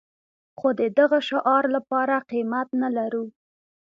خو د دغه شعار لپاره قيمت نه لرو.